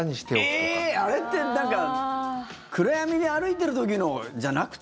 あれって暗闇で歩いてる時のじゃなくて？